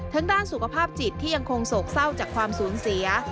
ด้านสุขภาพจิตที่ยังคงโศกเศร้าจากความสูญเสีย